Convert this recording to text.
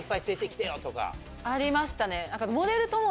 ありましたね。